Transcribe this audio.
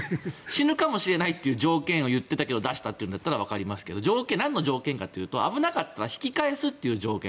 死ぬかもしれないという条件を言ってたけど出したのならわかりますが何の条件かというと危なかったら引き返すという条件